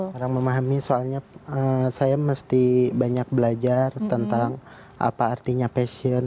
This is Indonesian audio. orang memahami soalnya saya mesti banyak belajar tentang apa artinya passion